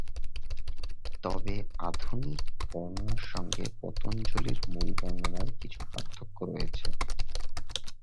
তবে আধুনিক বর্ণনার সঙ্গে পতঞ্জলির মূল বর্ণনার কিছু পার্থক্য রয়েছে।